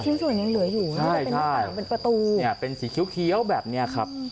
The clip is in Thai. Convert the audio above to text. ที่สุดนึงเหลืออยู่เป็นประตูเป็นสีเคี้ยวแบบนี้ครับ